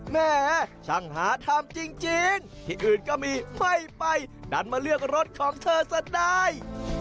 แหมช่างหาทำจริงที่อื่นก็มีไม่ไปดันมาเลือกรถของเธอซะได้